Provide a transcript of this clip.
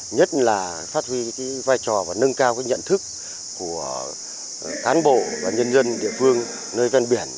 nhất là phát huy vai trò và nâng cao nhận thức của cán bộ và nhân dân địa phương nơi ven biển